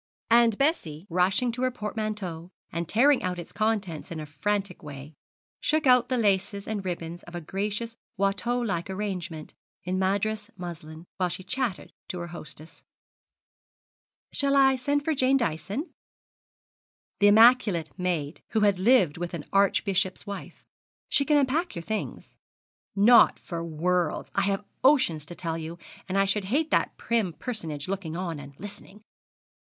And Bessie, rushing to her portmanteau, and tearing out its contents in a frantic way, shook out the laces and ribbons of a gracious Watteau like arrangement in Madras muslin, while she chattered to her hostess. 'Shall I send for Jane Dyson?' the immaculate maid, who had lived with an archbishop's wife. 'She can unpack your things.' 'Not for worlds. I have oceans to tell you, and I should hate that prim personage looking on and listening.